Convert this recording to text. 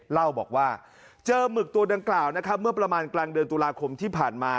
เล่าบอกว่าเจอหมึกตัวดังกล่าวนะครับเมื่อประมาณกลางเดือนตุลาคมที่ผ่านมา